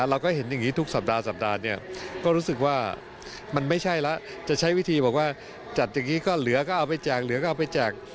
เราก็เห็นอย่างงี้ทุกสัปดาห์เนี่ยก็รู้สึกว่ามันไม่ใช่แล้วจะใช้วิธีบอกว่าจัดอย่างงี้ก็เหลือก็เอาไปแจก